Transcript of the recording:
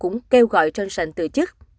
cũng kêu gọi johnson từ chức